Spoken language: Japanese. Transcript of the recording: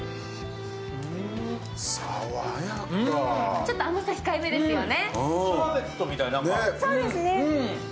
ちょっと甘さ控えめですよね。